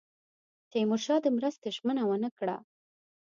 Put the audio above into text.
تیمورشاه د مرستې ژمنه ونه کړه.